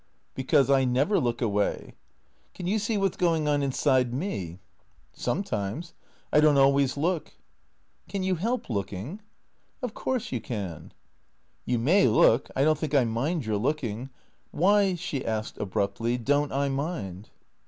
" Because I never look away." " Can you see what 's going on inside mef "" Sometimes. I don't always look." " Can you help looking ?"" Of course you can." " You may look. I don't think I mind your looking. Why," she asked abruptly, " don't I mind